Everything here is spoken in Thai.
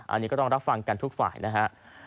อันนี้ก็ต้องรับฟังกันทุกฝ่ายนะฮะ